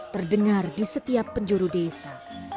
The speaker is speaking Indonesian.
terdengar di setiap penjuru desa